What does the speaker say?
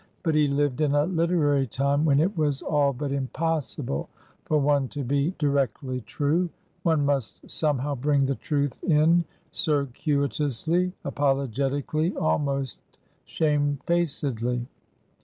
But he Uved in a literary time when it was all but impossible for one to be directly true; one must somehow bring the truth in circuitously, apologetically, almost shamefacedly.